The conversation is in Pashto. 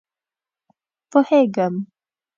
_پوهېږم.